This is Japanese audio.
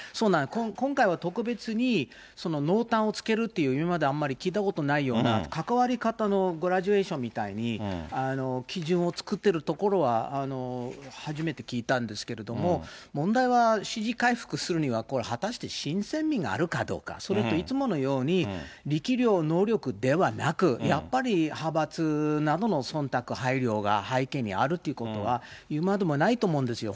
今回は特別に濃淡をつけるっていう、今まであんまり聞いたことないような、関わり方のグラジュエーションみたいに、基準を作ってるところは初めて聞いたんですけれども、問題は支持回復するには、これ、果たして新鮮味があるかどうか、それといつものように、力量、能力ではなく、やっぱり派閥などのそんたく、配慮が背景にあるということは、言うまでもないと思うんですよ。